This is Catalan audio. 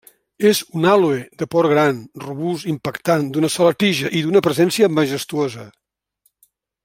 És un àloe de port gran, robust, impactant, d'una sola tija i d'una presència majestuosa.